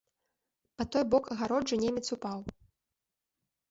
Па той бок агароджы немец упаў.